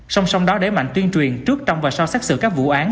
song song đó để mạnh tuyên truyền trước trong và sau xác xử các vụ án